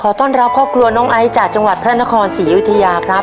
ต้อนรับครอบครัวน้องไอซ์จากจังหวัดพระนครศรีอยุธยาครับ